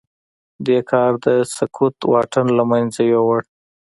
دې کار د سکوت واټن له منځه يووړ.